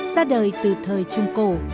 ra đời từ thời trung cổ